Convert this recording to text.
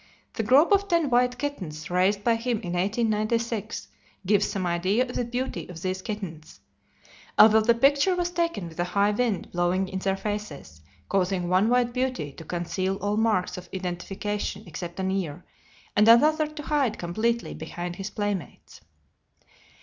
The group of ten white kittens, raised by him in 1896, gives some idea of the beauty of these kittens: although the picture was taken with a high wind blowing in their faces, causing one white beauty to conceal all marks of identification except an ear, and another to hide completely behind his playmates.